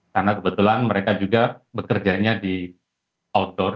karena kebetulan mereka juga bekerjanya di outdoor